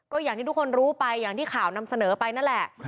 ก็อย่างที่ทุกคนรู้ไปอย่างที่ข่าวนำเสนอไปนั่นแหละ